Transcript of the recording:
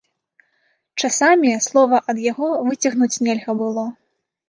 Часамі слова ад яго выцягнуць нельга было.